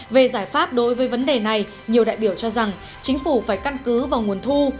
về giải pháp đối với vấn đề này nhiều đại biểu cho rằng chính phủ phải căn cứ vào nguồn thu